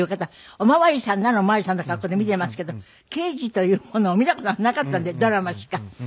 お巡りさんならお巡りさんの格好で見ていますけど刑事というものを見た事がなかったんでドラマしか。